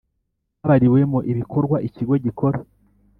Habariwemo ibikorwa ikigo gikora